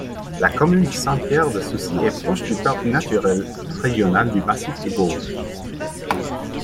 La commune de Saint-Pierre-de-Soucy est proche du parc naturel régional du Massif des Bauges.